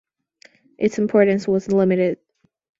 Its importance was limited.